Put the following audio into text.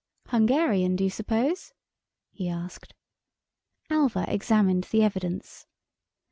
"Hungarian, do you suppose?" he asked. Alva examined the evidence.